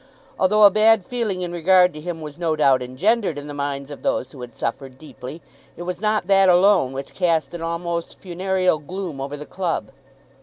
Although a bad feeling in regard to him was no doubt engendered in the minds of those who had suffered deeply, it was not that alone which cast an almost funereal gloom over the club.